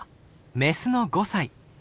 メスの５歳。